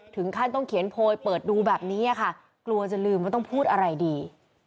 ถึงขั้นต้องเขียนโพยเปิดดูแบบนี้ค่ะกลัวจะลืมว่าต้องพูดอะไรดี